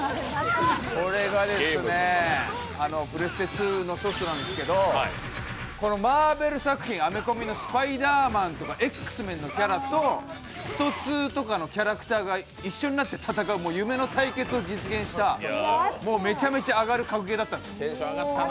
これがですねプレステ２のソフトなんですけどマーベル作品、アメコミの「スパイダーマン」や「Ｘ−ＭＥＮ」のキャラクターと、「ストⅡ」とかのキャラが一緒になって戦う夢の対決を実現した、めちゃめちゃアガる格ゲーだったんです。